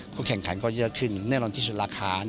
แข่งขันก็เยอะขึ้นแน่นอนที่สุดราคา